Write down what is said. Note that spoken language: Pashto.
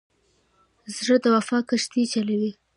زړه د وفا کښتۍ چلوي.